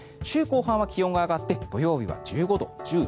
週後半は気温が上がって土曜日は１５度、１６度。